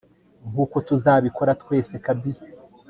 nkuko tuzabibona twese kabisa